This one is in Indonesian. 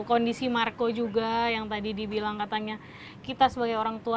kondisi marco juga yang tadi dibilang katanya kita sebagai orang tua